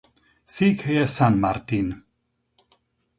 Székhelye San Martín.